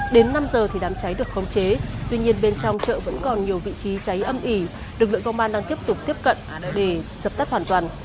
đến năm giờ thì đám cháy được khống chế tuy nhiên bên trong chợ vẫn còn nhiều vị trí cháy âm ỉ lực lượng công an đang tiếp tục tiếp cận đó để dập tắt hoàn toàn